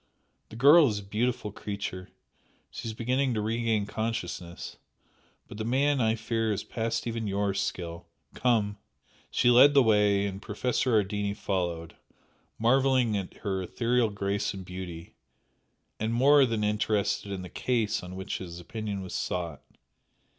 The girl is a beautiful creature she is beginning to regain consciousness but the man I fear is past even YOUR skill. Come!" She led the way and Professor Ardini followed, marvelling at her ethereal grace and beauty, and more than interested in the "case" on which his opinion was sought.